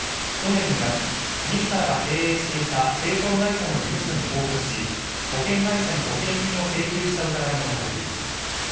去年２月、自らが経営していた清掃会社の事務所に放火し保険会社に保険金を請求した疑いが持たれています。